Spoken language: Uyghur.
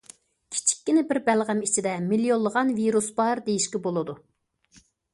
كىچىككىنە بىر بەلغەم ئىچىدە مىليونلىغان ۋىرۇس بار دېيىشكە بولىدۇ.